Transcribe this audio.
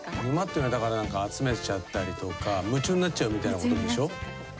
沼っていうのはだからなんか集めちゃったりとか夢中になっちゃうみたいなことでしょ？